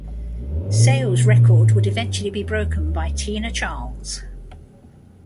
Sales' record would eventually be broken by Tina Charles.